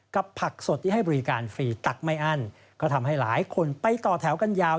ผักสดที่ให้บริการฟรีตักไม่อั้นก็ทำให้หลายคนไปต่อแถวกันยาว